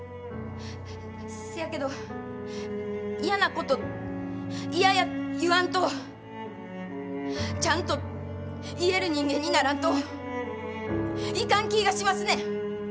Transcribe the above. せやけど嫌なこと嫌や言わんとちゃんと言える人間にならんといかん気ぃがしますねん。